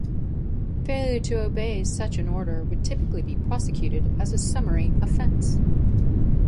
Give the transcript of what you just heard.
Failure to obey such an order would typically be prosecuted as a summary offence.